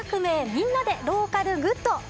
みんなでローカルグッド」。